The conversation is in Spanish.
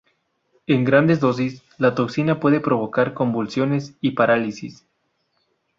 En grandes dosis, la toxina puede provocar convulsiones y parálisis.